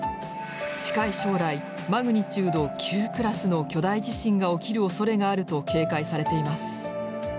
近い将来マグニチュード９クラスの巨大地震が起きるおそれがあると警戒されています。